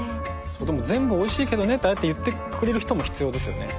でも全部おいしいけどねってああやって言ってくれる人も必要ですよね。